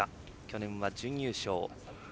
去年は準優勝。